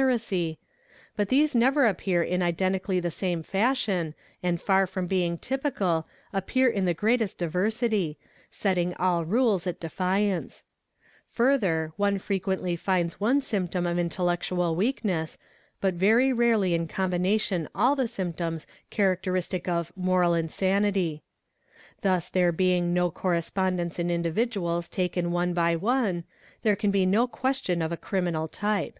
acy, but these never appear in identically the same fashion, and far from being typical appear in the greatest diversity, setting all rules at defiance, Further one frequently finds one symptom of intellectual weakness, but very rarely in combination all the symptoms characteristic of '" moral insanity."' Thus there being no correspondence in individuals taken one by one, there can be no question of a criminal type.